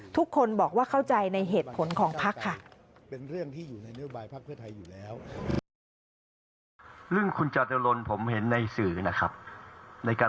ทุกคนบอกว่าเข้าใจในเหตุผลของพักค่ะ